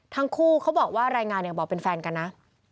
ทั้งคู่เขาบอกว่ารายงานอย่างบอกเป็นแฟนกันนะ